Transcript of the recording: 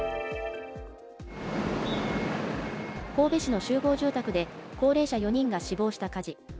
神戸市の集合住宅で、高齢者４人が死亡した火事。